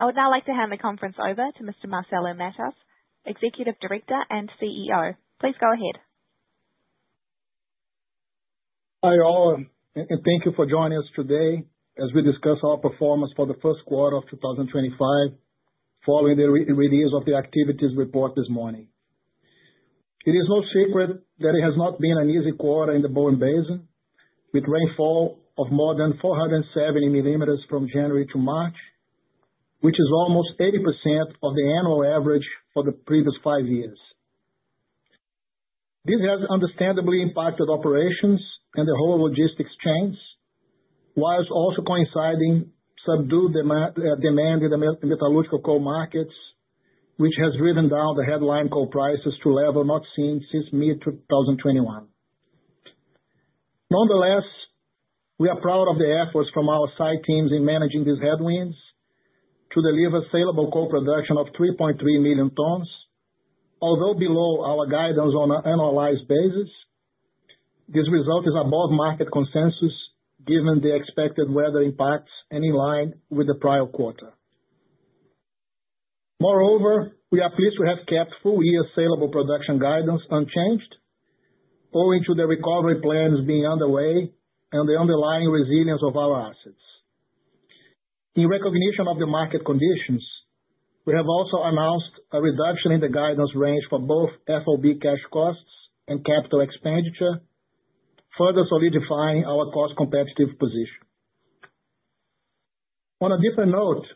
I would now like to hand the conference over to Mr. Marcelo Matos, Executive Director and CEO. Please go ahead. Hi all, and thank you for joining us today as we discuss our performance for the Q1 of 2025, following the release of the activities report this morning. It is no secret that it has not been an easy quarter in the Bowen Basin, with rainfall of more than 470 millimeters from January to March, which is almost 80% of the annual average for the previous five years. This has understandably impacted operations and the whole logistics chains, whilst also coinciding with subdued demand in the metallurgical coal markets, which has driven down the headline coal prices to levels not seen since mid-2021. Nonetheless, we are proud of the efforts from our site teams in managing these headwinds to deliver saleable coal production of 3.3 million tons, although below our guidance on an annualized basis. This result is above market consensus given the expected weather impacts and in line with the prior quarter. Moreover, we are pleased to have kept full-year saleable production guidance unchanged, owing to the recovery plans being underway and the underlying resilience of our assets. In recognition of the market conditions, we have also announced a reduction in the guidance range for both FOB cash costs and capital expenditure, further solidifying our cost-competitive position. On a different note,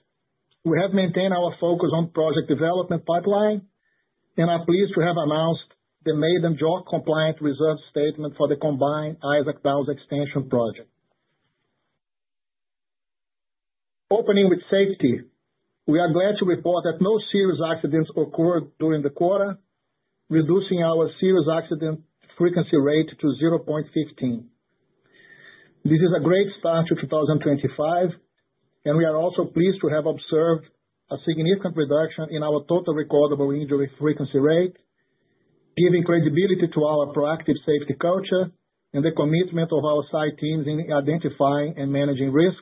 we have maintained our focus on the project development pipeline and are pleased to have announced the maiden JORC compliant reserve statement for the combined Isaac Downs extension project. Opening with safety, we are glad to report that no serious accidents occurred during the quarter, reducing our serious accident frequency rate to 0.15. This is a great start to 2025, and we are also pleased to have observed a significant reduction in our total recordable injury frequency rate, giving credibility to our proactive safety culture and the commitment of our site teams in identifying and managing risk,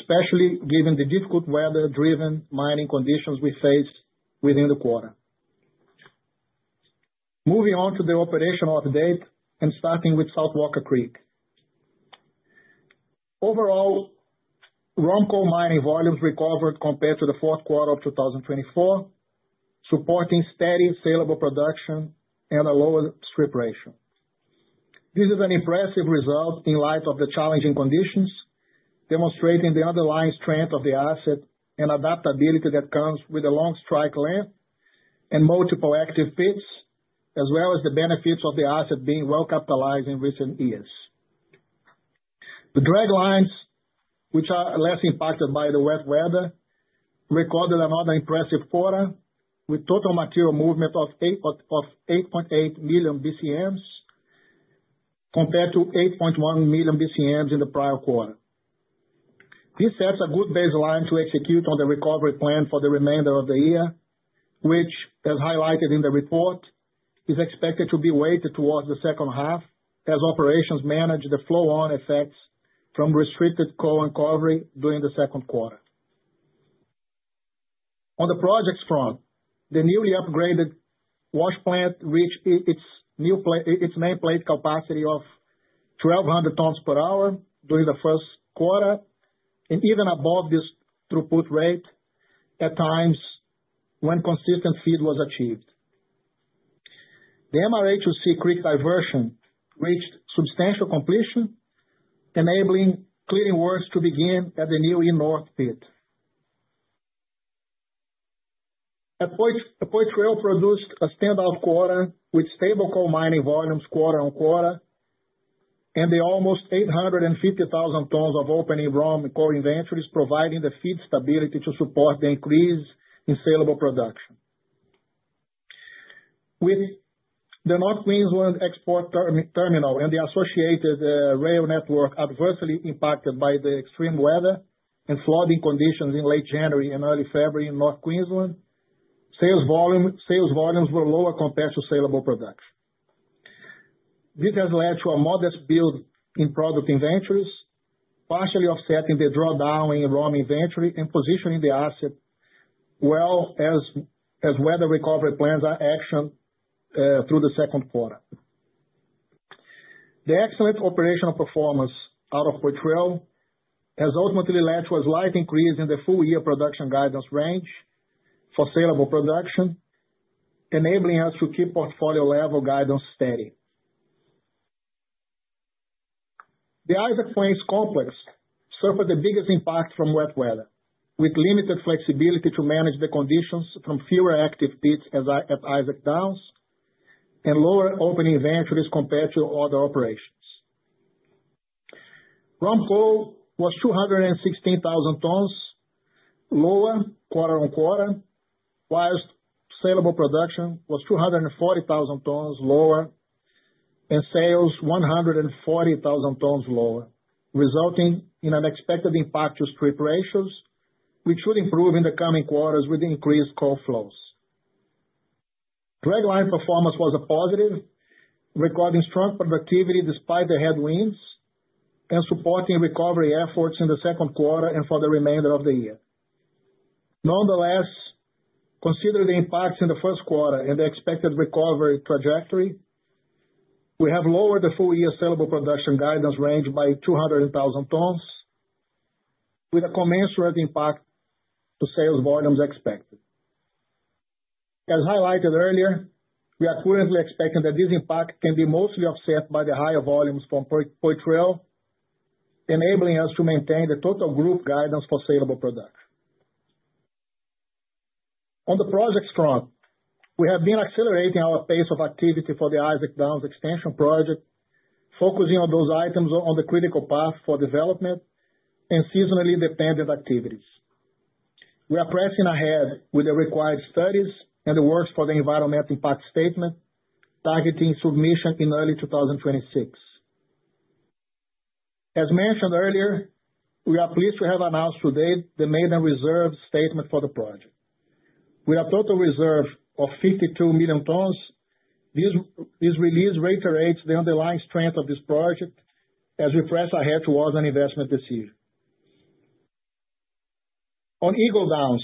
especially given the difficult weather-driven mining conditions we faced within the quarter. Moving on to the operational update and starting with South Walker Creek. Overall, ROM coal mining volumes recovered compared to the Q4 of 2024, supporting steady saleable production and a lower strip ratio. This is an impressive result in light of the challenging conditions, demonstrating the underlying strength of the asset and adaptability that comes with a long strike length and multiple active pits, as well as the benefits of the asset being well capitalized in recent years. The draglines, which are less impacted by the wet weather, recorded another impressive quarter with total material movement of 8.8 million BCM compared to 8.1 million BCM in the prior quarter. This sets a good baseline to execute on the recovery plan for the remainder of the year, which, as highlighted in the report, is expected to be weighted towards the second half as operations manage the flow-on effects from restricted coal uncovery during the Q2. On the project front, the newly upgraded wash plant reached its main plate capacity of 1,200 tons per hour during the Q1 and even above this throughput rate at times when consistent feed was achieved. The MRHOC creek diversion reached substantial completion, enabling clearing works to begin at the new E-North pit. Poitrel produced a standout quarter with stable coal mining volumes quarter on quarter and the almost 850,000 tons of opening ROM coal inventories providing the feed stability to support the increase in saleable production. With the North Queensland Export Terminal and the associated rail network adversely impacted by the extreme weather and flooding conditions in late January and early February in North Queensland, sales volumes were lower compared to saleable production. This has led to a modest build in product inventories, partially offsetting the drawdown in ROM inventory and positioning the asset well as weather recovery plans are actioned through the second quarter. The excellent operational performance out of Poitrel has ultimately led to a slight increase in the full-year production guidance range for saleable production, enabling us to keep portfolio-level guidance steady. The Isaac Plains complex suffered the biggest impact from wet weather, with limited flexibility to manage the conditions from fewer active pits at Isaac Downs and lower opening inventories compared to other operations. ROM coal was 216,000 tons lower quarter on quarter, whilst saleable production was 240,000 tons lower and sales 140,000 tons lower, resulting in unexpected impact to strip ratios, which should improve in the coming quarters with increased coal flows. Dragline performance was a positive, recording strong productivity despite the headwinds and supporting recovery efforts in the Q2 and for the remainder of the year. Nonetheless, considering the impacts in the Q1 and the expected recovery trajectory, we have lowered the full-year saleable production guidance range by 200,000 tons, with a commensurate impact to sales volumes expected. As highlighted earlier, we are currently expecting that this impact can be mostly offset by the higher volumes from Poitrel, enabling us to maintain the total group guidance for saleable production. On the project front, we have been accelerating our pace of activity for the Isaac Downs extension project, focusing on those items on the critical path for development and seasonally dependent activities. We are pressing ahead with the required studies and the works for the environmental impact statement, targeting submission in early 2026. As mentioned earlier, we are pleased to have announced today the maiden reserve statement for the project. With a total reserve of 52 million tons, this release reiterates the underlying strength of this project as we press ahead towards an investment decision. On Eagle Downs,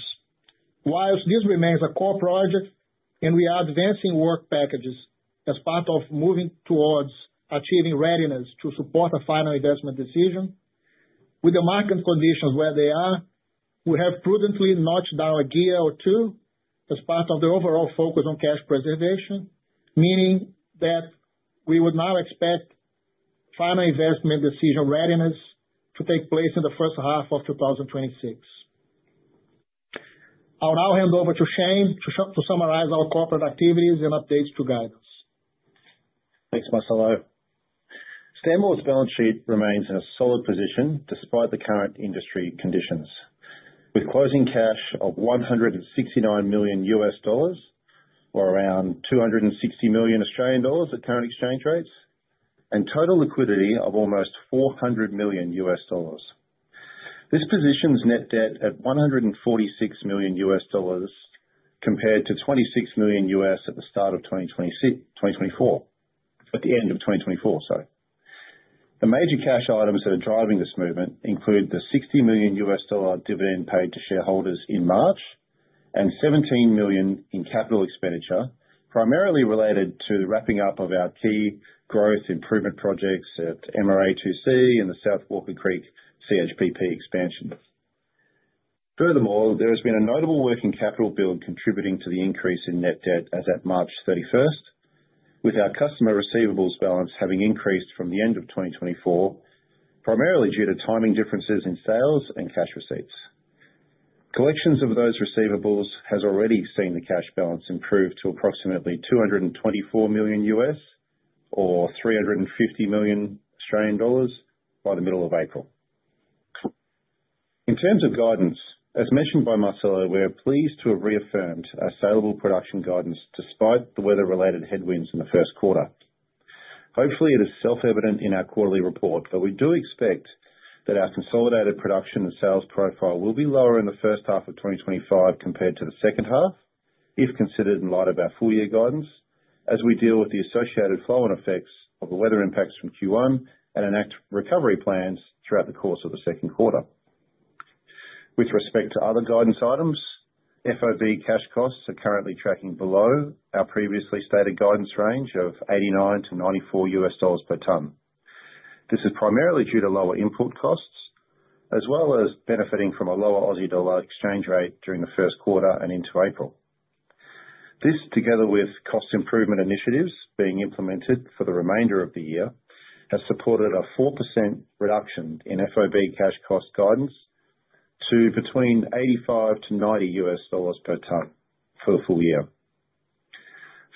whilst this remains a core project and we are advancing work packages as part of moving towards achieving readiness to support a final investment decision, with the market conditions where they are, we have prudently notched down a gear or two as part of the overall focus on cash preservation, meaning that we would now expect final investment decision readiness to take place in the first half of 2026. I'll now hand over to Shane to summarize our corporate activities and updates to guidance. Thanks, Marcelo. Stanmore's balance sheet remains in a solid position despite the current industry conditions, with closing cash of $169 million, or around 260 million Australian dollars at current exchange rates, and total liquidity of almost $400 million. This positions net debt at $146 million compared to $26 million at the start of 2024, at the end of 2024, sorry. The major cash items that are driving this movement include the $60 million dividend paid to shareholders in March and $17 million in capital expenditure, primarily related to the wrapping up of our key growth improvement projects at MRA2C and the South Walker Creek CHPP expansion. Furthermore, there has been a notable working capital build contributing to the increase in net debt as of March 31, with our customer receivables balance having increased from the end of 2024, primarily due to timing differences in sales and cash receipts. Collections of those receivables have already seen the cash balance improve to approximately $224 million, or 350 million Australian dollars, by the middle of April. In terms of guidance, as mentioned by Marcelo, we are pleased to have reaffirmed our saleable production guidance despite the weather-related headwinds in the Q1. Hopefully, it is self-evident in our quarterly report, but we do expect that our consolidated production and sales profile will be lower in the first half of 2025 compared to the second half, if considered in light of our full-year guidance, as we deal with the associated flow-on effects of the weather impacts from Q1 and enact recovery plans throughout the course of the second quarter. With respect to other guidance items, FOB cash costs are currently tracking below our previously stated guidance range of $89-$94 per ton. This is primarily due to lower input costs, as well as benefiting from a lower Aussie dollar exchange rate during the first quarter and into April. This, together with cost improvement initiatives being implemented for the remainder of the year, has supported a 4% reduction in FOB cash cost guidance to between $85-$90 per ton for the full year.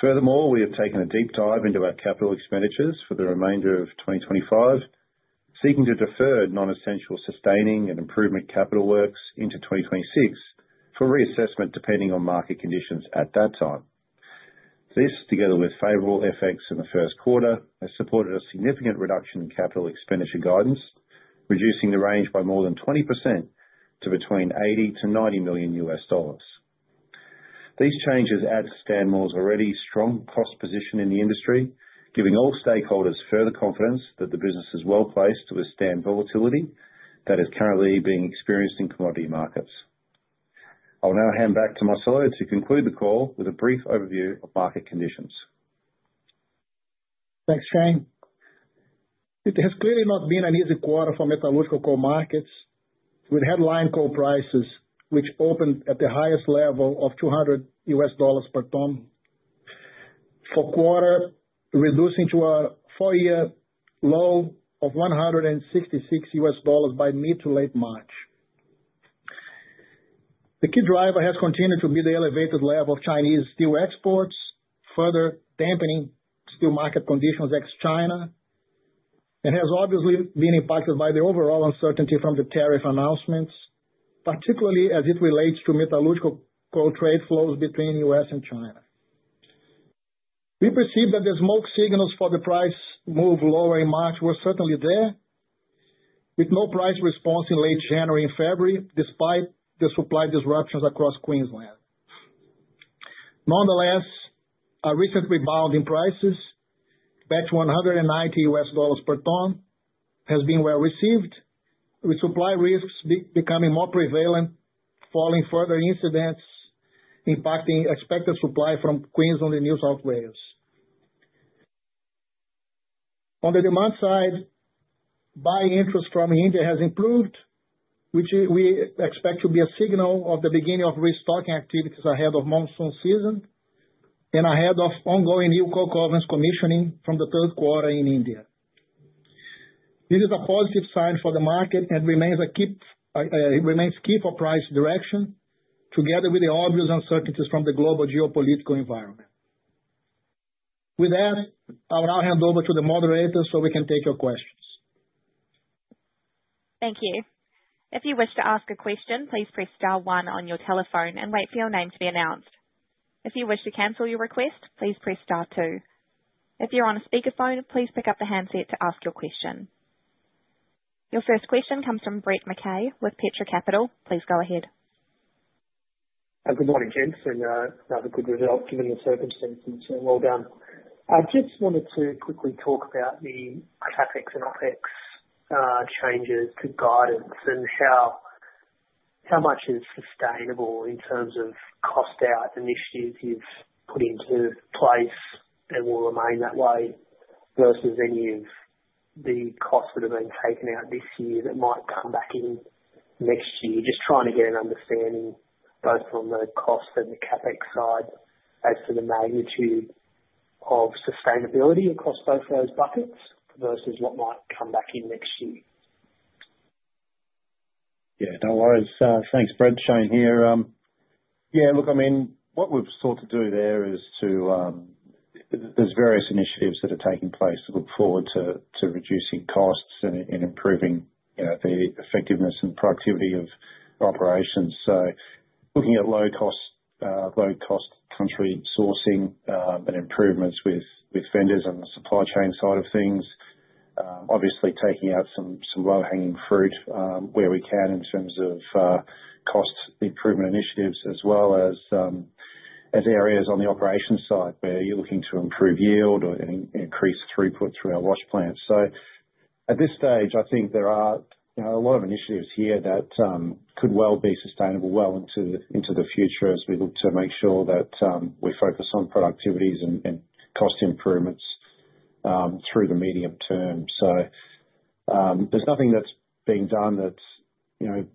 Furthermore, we have taken a deep dive into our capital expenditures for the remainder of 2025, seeking to defer non-essential sustaining and improvement capital works into 2026 for reassessment depending on market conditions at that time. This, together with favorable effects in the first quarter, has supported a significant reduction in capital expenditure guidance, reducing the range by more than 20% to between $80-$90 million. These changes add to Stanmore's already strong cost position in the industry, giving all stakeholders further confidence that the business is well placed to withstand volatility that is currently being experienced in commodity markets. I'll now hand back to Marcelo to conclude the call with a brief overview of market conditions. Thanks, Shane. It has clearly not been an easy quarter for metallurgical coal markets, with headline coal prices which opened at the highest level of $200 per ton for quarter, reducing to a four-year low of $166 by mid to late March. The key driver has continued to be the elevated level of Chinese steel exports, further dampening steel market conditions ex-China, and has obviously been impacted by the overall uncertainty from the tariff announcements, particularly as it relates to metallurgical coal trade flows between the U.S. and China. We perceive that the smoke signals for the price move lower in March were certainly there, with no price response in late January and February, despite the supply disruptions across Queensland. Nonetheless, a recent rebound in prices back to $190 per ton has been well received, with supply risks becoming more prevalent, following further incidents impacting expected supply from Queensland and New South Wales. On the demand side, buying interest from India has improved, which we expect to be a signal of the beginning of restocking activities ahead of monsoon season and ahead of ongoing new coal covers commissioning from the Q3 in India. This is a positive sign for the market and remains a key for price direction, together with the obvious uncertainties from the global geopolitical environment. With that, I'll now hand over to the moderators so we can take your questions. Thank you. If you wish to ask a question, please press star one on your telephone and wait for your name to be announced. If you wish to cancel your request, please press star two. If you're on a speakerphone, please pick up the handset to ask your question. Your first question comes from Brett McKay with Petra Capital. Please go ahead. Good morning, Kent. Rather good result given the circumstances. Well done. I just wanted to quickly talk about the CapEx and OpEx changes to guidance and how much is sustainable in terms of cost-out initiatives you've put into place and will remain that way versus any of the costs that have been taken out this year that might come back in next year. Just trying to get an understanding both on the cost and the CapEx side as to the magnitude of sustainability across both those buckets versus what might come back in next year. Yeah, no worries. Thanks, Brett and Shane here. Yeah, look, I mean, what we've sought to do there is to, there's various initiatives that are taking place to look forward to reducing costs and improving the effectiveness and productivity of operations. Looking at low-cost country sourcing and improvements with vendors on the supply chain side of things, obviously taking out some low-hanging fruit where we can in terms of cost improvement initiatives, as well as areas on the operations side where you're looking to improve yield or increase throughput through our wash plants. At this stage, I think there are a lot of initiatives here that could well be sustainable well into the future as we look to make sure that we focus on productivities and cost improvements through the medium term. There's nothing that's being done that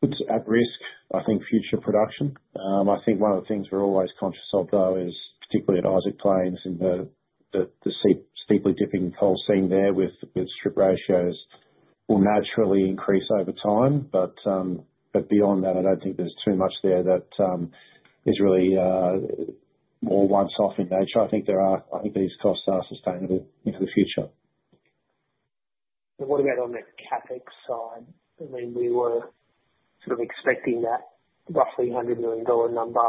puts at risk, I think, future production. I think one of the things we're always conscious of, though, is particularly at Isaac Plains and the steeply dipping coal seam there with strip ratios will naturally increase over time. Beyond that, I don't think there's too much there that is really more once-off in nature. I think these costs are sustainable into the future. What about on the CapEx side? I mean, we were sort of expecting that roughly $100 million number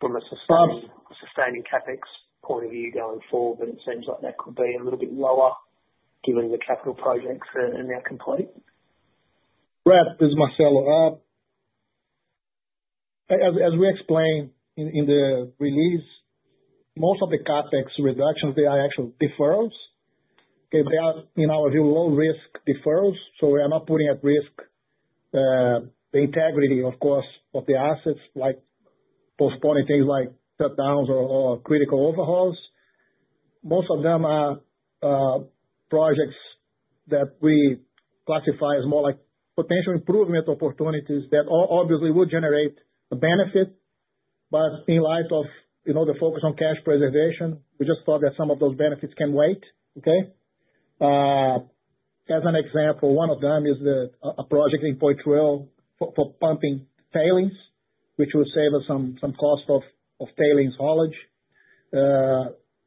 from a sustaining CapEx point of view going forward, but it seems like that could be a little bit lower given the capital projects that are now complete. Brett, this is Marcelo. As we explained in the release, most of the CapEx reductions, they are actual deferrals. They are, in our view, low-risk deferrals, so we are not putting at risk the integrity, of course, of the assets, like postponing things like shutdowns or critical overhauls. Most of them are projects that we classify as more like potential improvement opportunities that obviously would generate a benefit. In light of the focus on cash preservation, we just thought that some of those benefits can wait. Okay? As an example, one of them is a project in Poitrel for pumping tailings, which will save us some cost of tailings haulage,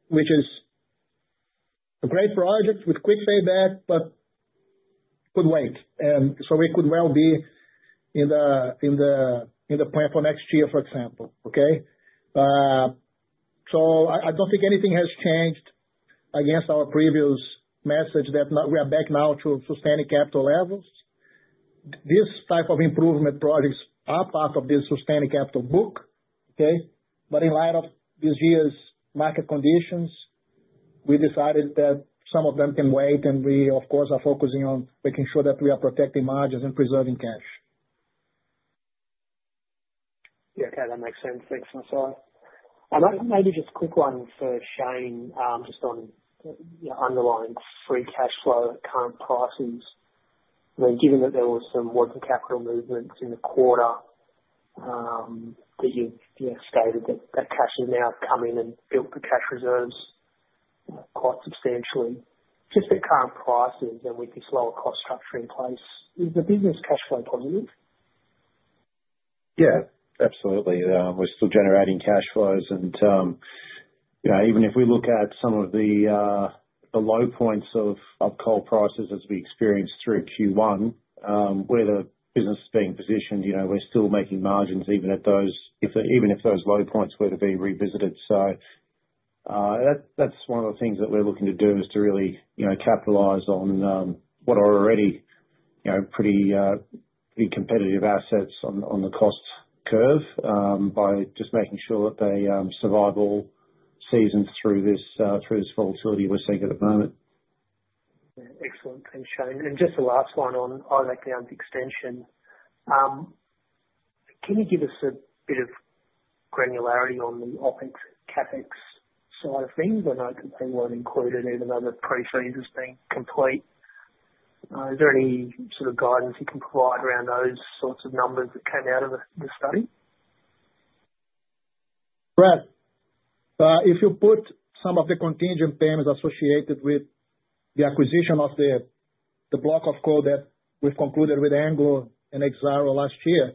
which is a great project with quick payback, but could wait. It could well be in the plan for next year, for example. Okay? I don't think anything has changed against our previous message that we are back now to sustaining capital levels. This type of improvement projects are part of this sustaining capital book. Okay? In light of this year's market conditions, we decided that some of them can wait, and we, of course, are focusing on making sure that we are protecting margins and preserving cash. Yeah, okay, that makes sense. Thanks, Marcelo. I'll maybe just quick one for Shane, just on underlying free cash flow, current prices. I mean, given that there were some working capital movements in the quarter that you've stated that cash has now come in and built the cash reserves quite substantially, just at current prices and with this lower cost structure in place, is the business cash flow positive? Yeah, absolutely. We're still generating cash flows. And even if we look at some of the low points of coal prices as we experienced through Q1, where the business is being positioned, we're still making margins even at those, even if those low points were to be revisited. So that's one of the things that we're looking to do is to really capitalize on what are already pretty competitive assets on the cost curve by just making sure that they survive all seasons through this volatility we're seeing at the moment. Excellent. Thanks, Shane. Just the last one on Isaac Downs extension. Can you give us a bit of granularity on the OpEx CapEx side of things? I know that they were not included even though the pre-feas has been complete. Is there any sort of guidance you can provide around those sorts of numbers that came out of the study? Brett, if you put some of the contingent payments associated with the acquisition of the block of coal that we've concluded with Anglo and Yancoal last year,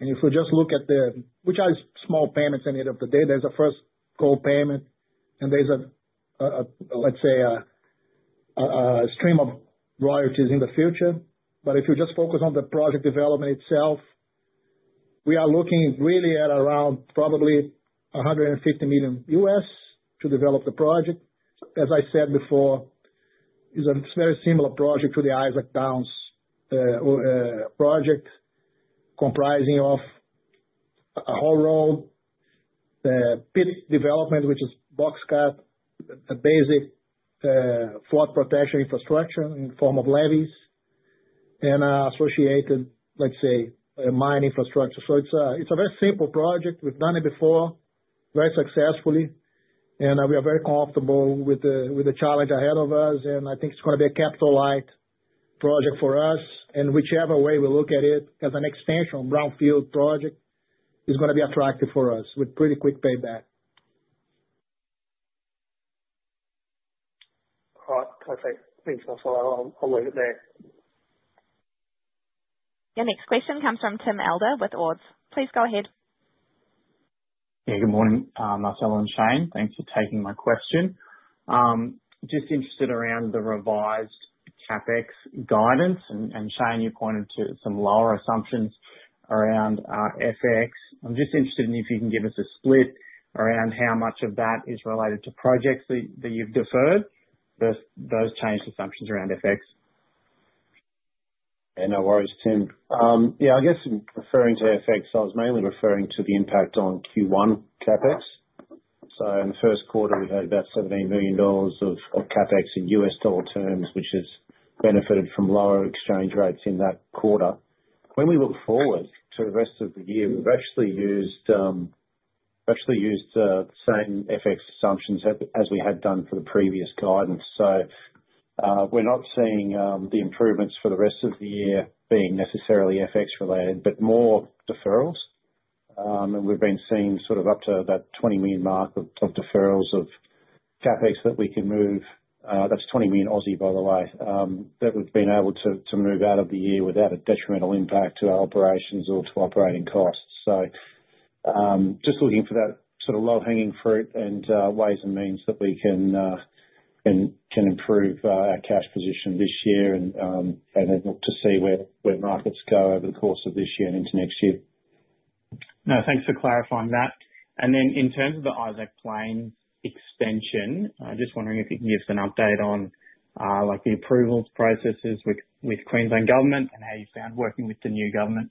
and if we just look at the, which are small payments at the end of the day, there's a first coal payment, and there's a, let's say, a stream of royalties in the future. If you just focus on the project development itself, we are looking really at around probably $150 million to develop the project. As I said before, it's a very similar project to the Isaac Downs project, comprising of a whole row, pit development, which is box cut, a basic flood protection infrastructure in the form of levees, and associated, let's say, mine infrastructure. It is a very simple project. We've done it before, very successfully, and we are very comfortable with the challenge ahead of us. I think it's going to be a capital-light project for us. Whichever way we look at it, as an extension on a brownfield project, it's going to be attractive for us with pretty quick payback. All right. Perfect. Thanks, Marcelo. I'll leave it there. Yeah, next question comes from Tim Elder with UBS. Please go ahead. Yeah, good morning, Marcelo and Shane. Thanks for taking my question. Just interested around the revised CapEx guidance. Shane, you pointed to some lower assumptions around FX. I'm just interested if you can give us a split around how much of that is related to projects that you've deferred, those changed assumptions around FX. Yeah, no worries, Tim. Yeah, I guess referring to FX, I was mainly referring to the impact on Q1 CapEx. In the Q1, we had about $17 million of CapEx in US dollar terms, which has benefited from lower exchange rates in that quarter. When we look forward to the rest of the year, we've actually used the same FX assumptions as we had done for the previous guidance. We're not seeing the improvements for the rest of the year being necessarily FX-related, but more deferrals. We've been seeing sort of up to about 20 million mark of deferrals of CapEx that we can move. That's 20 million, by the way, that we've been able to move out of the year without a detrimental impact to our operations or to operating costs. Just looking for that sort of low-hanging fruit and ways and means that we can improve our cash position this year and then look to see where markets go over the course of this year and into next year. No, thanks for clarifying that. In terms of the Isaac Plains extension, I'm just wondering if you can give us an update on the approval processes with Queensland government and how you found working with the new government.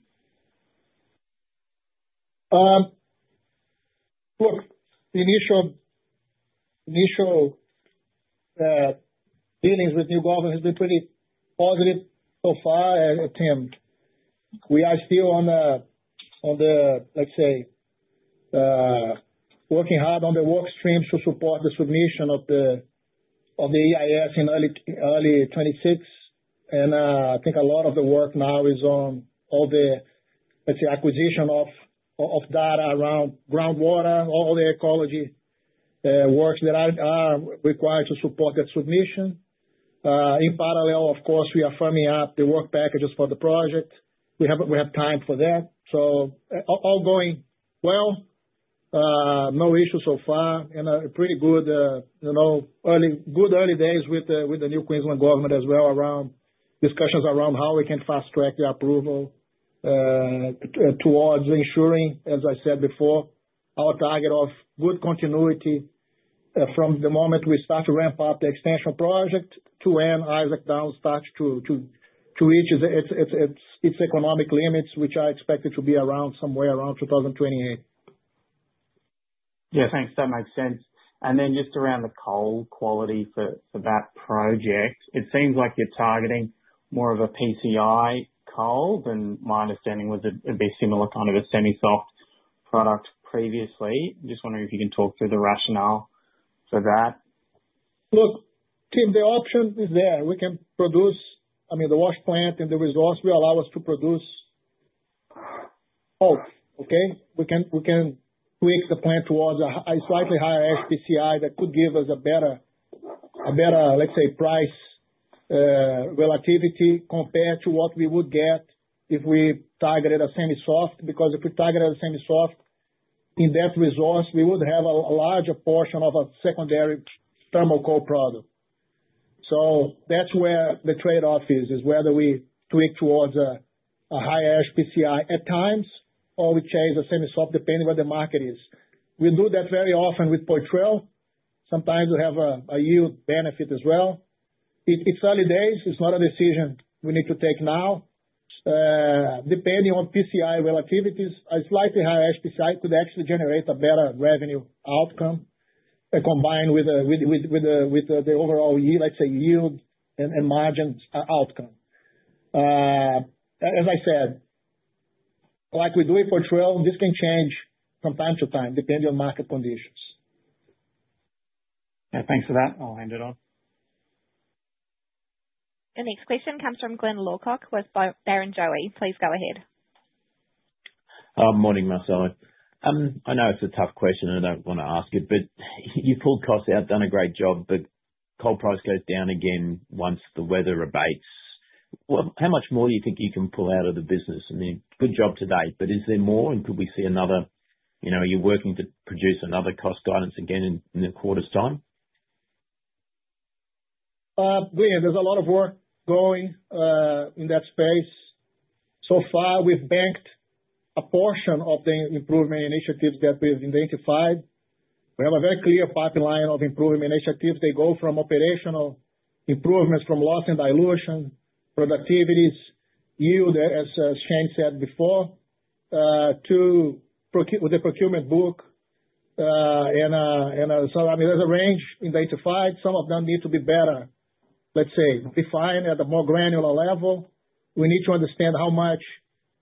Look, the initial dealings with new government have been pretty positive so far, Tim. We are still on the, let's say, working hard on the work streams to support the submission of the EIS in early 2026. I think a lot of the work now is on all the, let's say, acquisition of data around groundwater, all the ecology works that are required to support the submission. In parallel, of course, we are firming up the work packages for the project. We have time for that. All going well, no issues so far, and pretty good early days with the new Queensland government as well around discussions around how we can fast-track the approval towards ensuring, as I said before, our target of good continuity from the moment we start to ramp up the extension project to when Isaac Downs starts to reach its economic limits, which are expected to be somewhere around 2028. Yeah, thanks. That makes sense. Just around the coal quality for that project, it seems like you're targeting more of a PCI coal, and my understanding was it would be similar kind of a semi-soft product previously. I'm just wondering if you can talk through the rationale for that. Look, Tim, the option is there. We can produce, I mean, the wash plant and the resource will allow us to produce both. Okay? We can tweak the plant towards a slightly higher HPCI that could give us a better, let's say, price relativity compared to what we would get if we targeted a semi-soft. Because if we targeted a semi-soft in that resource, we would have a larger portion of a secondary thermal coal product. That is where the trade-off is, whether we tweak towards a higher HPCI at times or we chase a semi-soft depending on what the market is. We do that very often with Poitrel. Sometimes we have a yield benefit as well. It is early days. It is not a decision we need to take now. Depending on PCI relativities, a slightly higher HPCI could actually generate a better revenue outcome combined with the overall, let's say, yield and margin outcome. As I said, like we do it for 12, this can change from time to time depending on market conditions. Yeah, thanks for that. I'll hand it off. Yeah, next question comes from Glyn Lawcock with Barrenjoey. Please go ahead. Morning, Marcelo. I know it's a tough question. I don't want to ask it, but you've pulled costs out, done a great job, but coal price goes down again once the weather abates. How much more do you think you can pull out of the business? I mean, good job today, but is there more? Could we see another? Are you working to produce another cost guidance again in a quarter's time? Yeah, there's a lot of work going in that space. So far, we've banked a portion of the improvement initiatives that we've identified. We have a very clear pipeline of improvement initiatives. They go from operational improvements from loss and dilution, productivities, yield, as Shane said before, to the procurement book. I mean, there's a range in the 85. Some of them need to be better, let's say, defined at a more granular level. We need to understand how much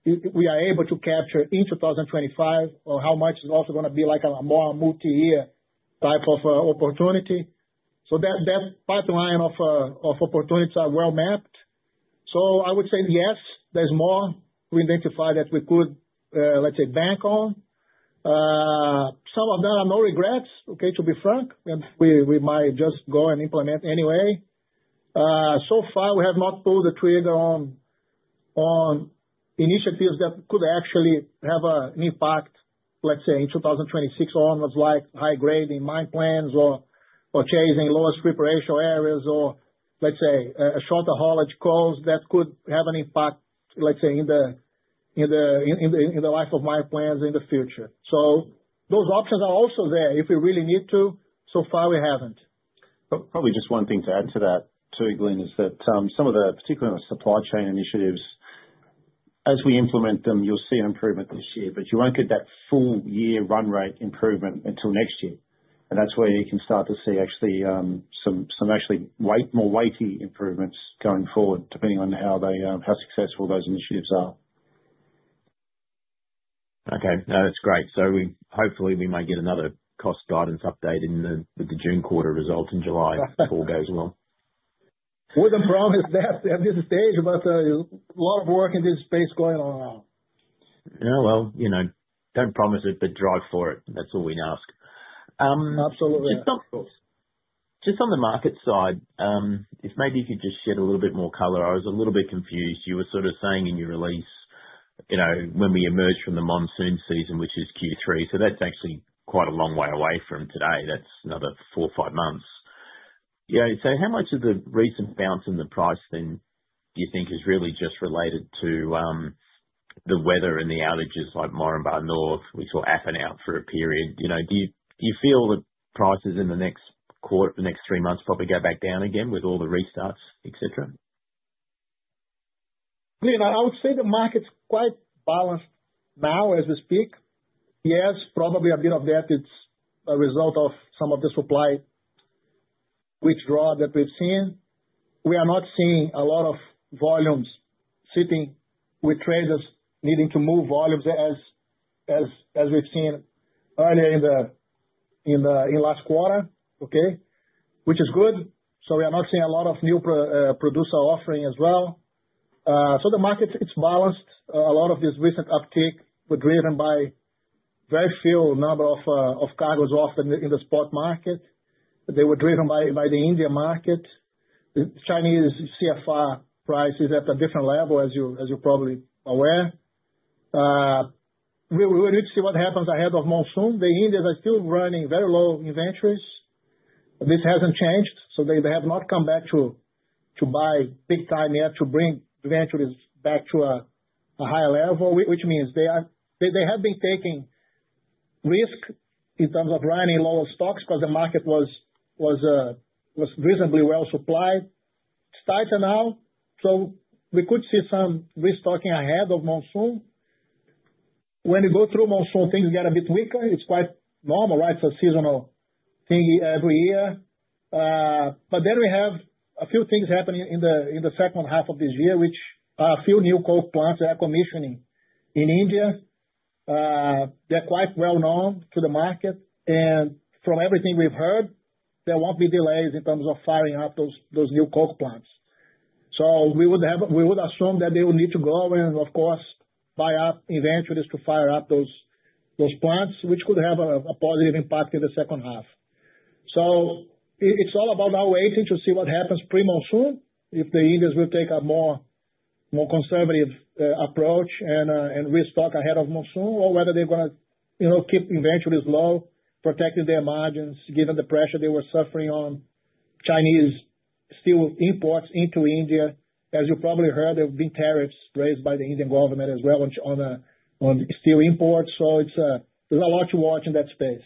we are able to capture in 2025 or how much is also going to be like a more multi-year type of opportunity. That pipeline of opportunities are well mapped. I would say yes, there's more to identify that we could, let's say, bank on. Some of them are no regrets, okay, to be frank. We might just go and implement anyway. We have not pulled the trigger on initiatives that could actually have an impact, let's say, in 2026 on those high-grading mine plans or chasing lower strip ratio areas or, let's say, shorter haulage coals that could have an impact, let's say, in the life of mine plans in the future. Those options are also there if we really need to. We haven't. Probably just one thing to add to that, too, Glyn, is that some of the, particularly the supply chain initiatives, as we implement them, you'll see an improvement this year, but you won't get that full year run rate improvement until next year. That's where you can start to see actually some more weighty improvements going forward, depending on how successful those initiatives are. Okay. No, that's great. Hopefully we might get another cost guidance update with the June quarter result in July if all goes well. We can promise that at this stage, but a lot of work in this space going on now. Yeah, well, don't promise it, but drive for it. That's all we can ask. Absolutely. Just on the market side, if maybe you could just shed a little bit more color. I was a little bit confused. You were sort of saying in your release when we emerged from the monsoon season, which is Q3, so that's actually quite a long way away from today. That's another four or five months. Yeah, so how much of the recent bounce in the price then do you think is really just related to the weather and the outages like Moranbah North, which were up and out for a period? Do you feel the prices in the next three months probably go back down again with all the restarts, etc.? I would say the market's quite balanced now as we speak. Yes, probably a bit of that is a result of some of the supply withdrawal that we've seen. We are not seeing a lot of volumes sitting with traders needing to move volumes as we've seen earlier in last quarter, which is good. We are not seeing a lot of new producer offering as well. The market, it's balanced. A lot of this recent uptake was driven by a very few number of cargoes offered in the spot market. They were driven by the Indian market. Chinese CFR price is at a different level, as you're probably aware. We need to see what happens ahead of monsoon. The Indians are still running very low inventories. This hasn't changed. They have not come back to buy big time yet to bring inventories back to a higher level, which means they have been taking risk in terms of running lower stocks because the market was reasonably well supplied. It is tighter now. We could see some restocking ahead of monsoon. When you go through monsoon, things get a bit weaker. It is quite normal, right? It is a seasonal thing every year. There are a few things happening in the second half of this year, which are a few new coal plants that are commissioning in India. They are quite well known to the market. From everything we have heard, there will not be delays in terms of firing up those new coal plants. We would assume that they will need to go and, of course, buy up inventories to fire up those plants, which could have a positive impact in the second half. It is all about now waiting to see what happens pre-monsoon, if the Indians will take a more conservative approach and restock ahead of monsoon or whether they are going to keep inventories low, protecting their margins, given the pressure they were suffering on Chinese steel imports into India. As you probably heard, there have been tariffs raised by the Indian government as well on steel imports. There is a lot to watch in that space.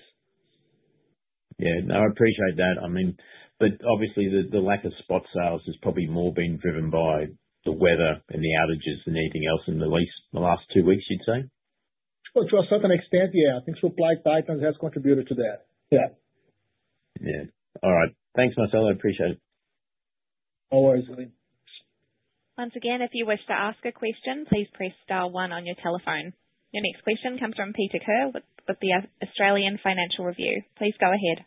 Yeah. No, I appreciate that. I mean, obviously, the lack of spot sales has probably more been driven by the weather and the outages than anything else in the last two weeks, you'd say? To a certain extent, yeah. I think supply tightens has contributed to that. Yeah. Yeah. All right. Thanks, Marcelo. I appreciate it. No worries, Glyn. Once again, if you wish to ask a question, please press star one on your telephone. Your next question comes from Peter Kerr with the Australian Financial Review. Please go ahead.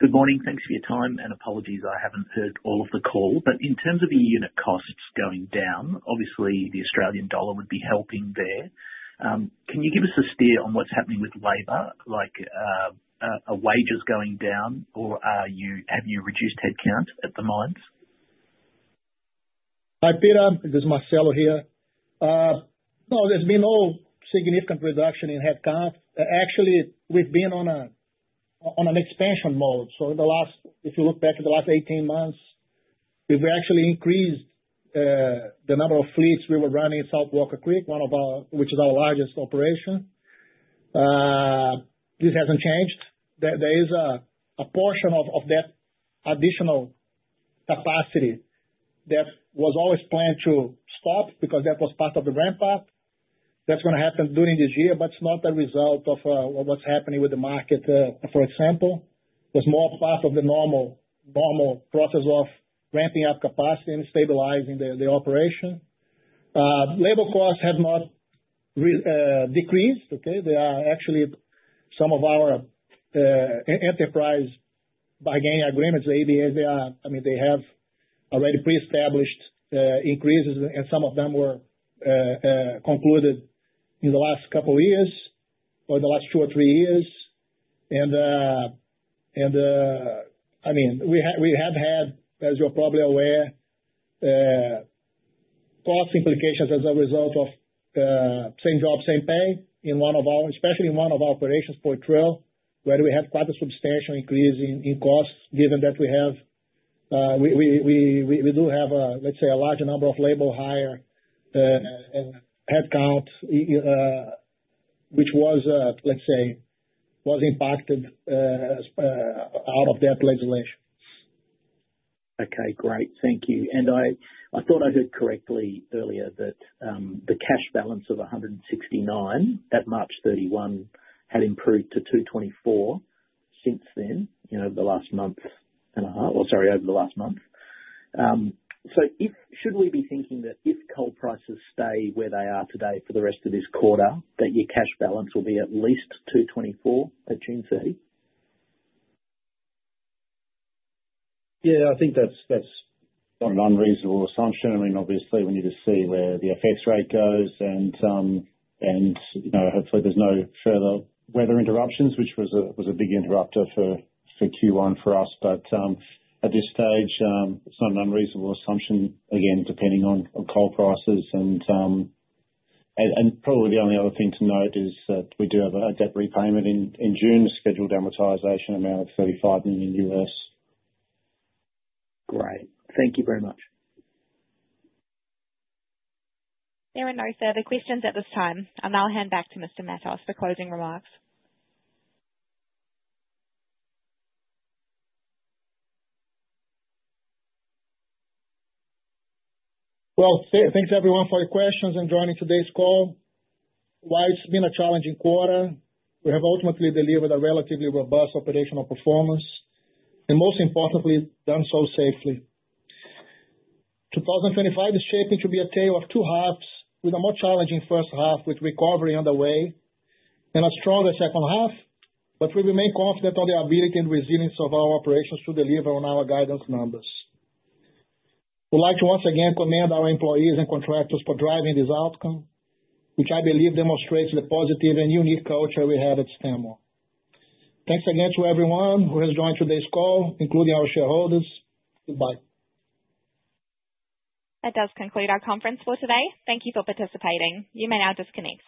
Good morning. Thanks for your time. Apologies, I haven't heard all of the call. In terms of your unit costs going down, obviously, the Australian dollar would be helping there. Can you give us a steer on what's happening with labor, like wages going down, or have you reduced headcount at the moment? Hi, Peter. This is Marcelo here. No, there's been no significant reduction in headcount. Actually, we've been on an expansion mode. In the last, if you look back at the last 18 months, we've actually increased the number of fleets we were running in South Walker Creek, which is our largest operation. This hasn't changed. There is a portion of that additional capacity that was always planned to stop because that was part of the ramp-up. That's going to happen during this year, but it's not a result of what's happening with the market, for example. It was more part of the normal process of ramping up capacity and stabilizing the operation. Labor costs have not decreased. Okay? They are actually some of our enterprise bargaining agreements, ABAs, they are, I mean, they have already pre-established increases, and some of them were concluded in the last couple of years or the last two or three years. I mean, we have had, as you're probably aware, cost implications as a result of same job, same pay in one of our, especially in one of our operations, Poitrel, where we had quite a substantial increase in costs, given that we do have, let's say, a large number of labor-hire headcount, which was, let's say, was impacted out of that legislation. Okay. Great. Thank you. I thought I heard correctly earlier that the cash balance of 169 million at March 31 had improved to 224 million since then, the last month and a half, or sorry, over the last month. Should we be thinking that if coal prices stay where they are today for the rest of this quarter, that your cash balance will be at least 224 million at June 30? Yeah, I think that's not an unreasonable assumption. I mean, obviously, we need to see where the FX rate goes, and hopefully, there's no further weather interruptions, which was a big interrupter for Q1 for us. At this stage, it's not an unreasonable assumption, again, depending on coal prices. Probably the only other thing to note is that we do have a debt repayment in June, a scheduled amortization amount of $35 million. Great. Thank you very much. There are no further questions at this time. I will hand back to Mr. Matos for closing remarks. Thanks everyone for your questions and joining today's call. While it's been a challenging quarter, we have ultimately delivered a relatively robust operational performance, and most importantly, done so safely. 2025 is shaping to be a tale of two halves, with a more challenging first half with recovery underway and a stronger second half, but we remain confident on the ability and resilience of our operations to deliver on our guidance numbers. We'd like to once again commend our employees and contractors for driving this outcome, which I believe demonstrates the positive and unique culture we have at Stanmore. Thanks again to everyone who has joined today's call, including our shareholders. Goodbye. That does conclude our conference for today. Thank you for participating. You may now disconnect.